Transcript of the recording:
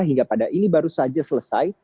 hingga pada ini baru saja selesai